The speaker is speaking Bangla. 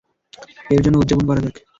এর জন্য উদযাপন করা যাক।